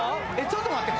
ちょっと待って。